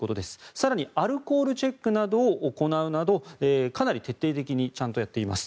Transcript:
更に、アルコールチェックを行うなどかなり徹底的にちゃんとやっています。